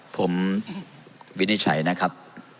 ผมวินิจฉัยนะครับ